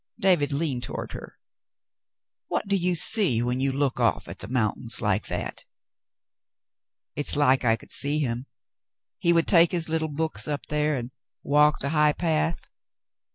David leaned toward her. "What do you see when you look off at the mountain like that ?"" It's like I could see him. He would take his little books up there and walk the high path.